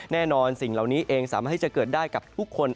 สิ่งเหล่านี้เองสามารถที่จะเกิดได้กับทุกคน